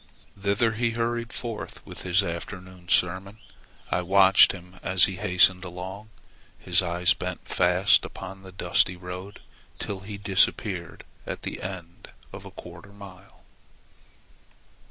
Thither he hurried forth with his afternoon sermon. I watched him as he hastened along, his eyes bent fast upon the dusty road till he disappeared at the end of a quarter of a mile.